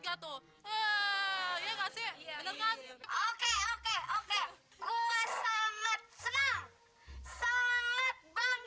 gua mau koin lu masih mau nage utang ah